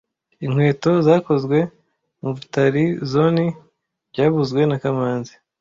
Inkweto zakozwe mu Butalizoani byavuzwe na kamanzi